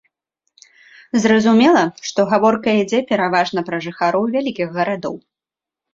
Зразумела, што гаворка ідзе пераважна пра жыхароў вялікіх гарадоў.